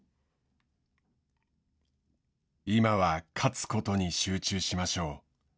今は勝つことに集中しましょう。